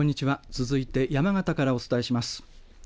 続いて山形からお伝えします。